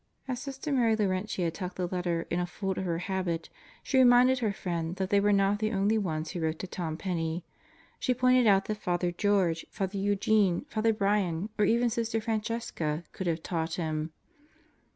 As Sister Mary Laurentia tucked the letter in a fold of her habit she reminded her friend that they were not the only ones who wrote to Tom Penney. She pointed out that Father George, Deeper Depths and Broader Horizons 121 Father Eugene, Father Brian, or even Sister Francesca could have taught him.